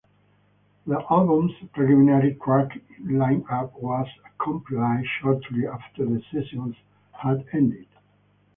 The album's preliminary track lineup was compiled shortly after the sessions had ended.